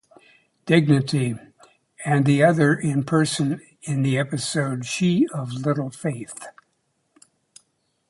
Dignity," and the other in person in the episode "She of Little Faith".